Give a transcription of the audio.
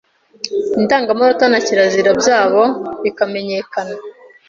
indangamanota na kirazira byawo bikamenyekana